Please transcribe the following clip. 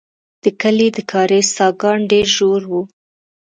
د کلي د کاریز څاګان ډېر ژور وو.